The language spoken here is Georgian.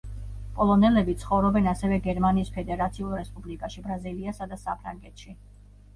პოლონელები ცხოვრობენ ასევე გერმანიის ფედერაციულ რესპუბლიკაში, ბრაზილიასა და საფრანგეთში.